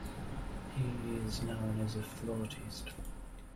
He is known as a flautist.